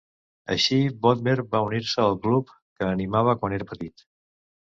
Així, Bodmer va unir-se al club que animava quan era petit.